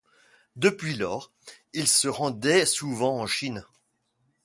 Depuis lors, ils se rendaient souvent en Chine.